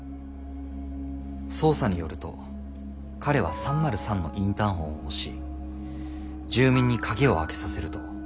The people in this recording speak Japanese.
捜査によると彼は３０３のインターホンを押し住民に鍵を開けさせると。